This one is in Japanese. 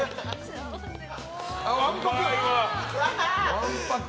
わんぱく！